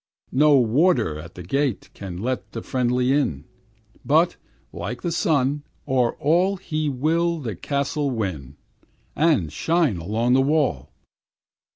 No warder at the gate Can let the friendly in; But, like the sun, o'er all He will the castle win, And shine along the wall.